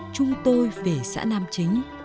chúng tôi về xã nam chính